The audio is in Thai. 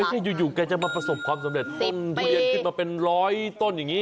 นี่อยู่แกจะมาประสบความสำเร็จต้นทุเรียนขึ้นมาเป็นร้อยต้นอย่างนี้